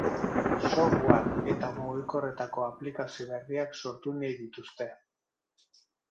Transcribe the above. Software eta mugikorretako aplikazio berriak sortu nahi dituzte.